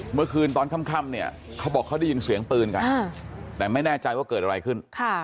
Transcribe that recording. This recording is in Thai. เมื่อคืนตอนค่ำเนี่ยเขาบอกเขาได้ยินเสียงปืนกันแต่ไม่แน่ใจว่าเกิดอะไรขึ้น